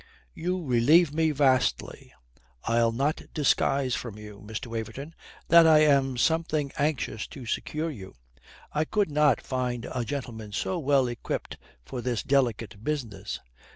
"You relieve me vastly. I'll not disguise from you, Mr. Waverton, that I am something anxious to secure you. I could not find a gentleman so well equipped for this delicate business.